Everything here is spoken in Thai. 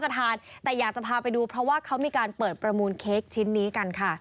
จะทานแต่อยากจะพาไปดูเพราะว่าเขามีการเปิดประมูลเค้กชิ้นนี้กันค่ะ